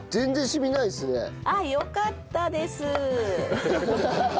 あっよかったです。